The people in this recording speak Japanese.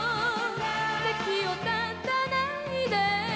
席を立たないで」